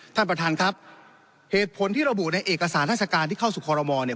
ท่านประธานครับเหตุผลที่ระบุในเอกสารราชการที่เข้าสู่คอรมอลเนี่ย